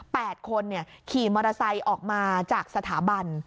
คนเนี่ยขี่มอเตอร์ไซค์ออกมาจากสถาบัน